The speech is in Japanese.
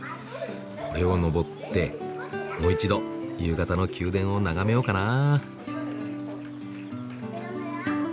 これを上ってもう一度夕方の宮殿を眺めようかな。